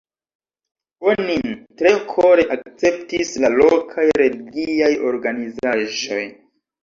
Onin tre kore akceptis la lokaj religiaj organizaĵoj.